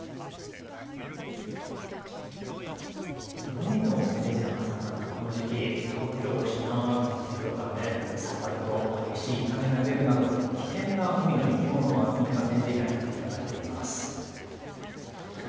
海のレジャーが盛んなこの時期、東京品川区の水族館で触ると激しい痛みが出るなど危険な海の生き物を集めた展示会が開かれています。